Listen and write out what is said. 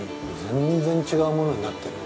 全然違うものになってる！